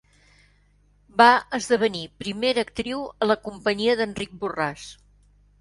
Va esdevenir primera actriu a la companyia d'Enric Borràs.